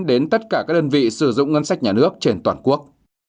đến tất cả các đơn vị sử dụng ngân sách nhà nước trên toàn quốc